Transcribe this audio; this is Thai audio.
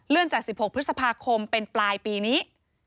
จาก๑๖พฤษภาคมเป็นปลายปีนี้